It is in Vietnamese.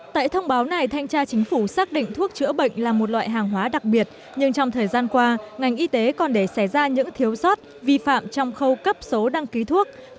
tại thông báo này thanh tra chính phủ xác định thuốc chữa bệnh là một loại hàng hóa đặc biệt nhưng trong thời gian qua ngành y tế còn để xẻ ra những thiếu sót vi phạm trong khâu cấp số đăng ký thuốc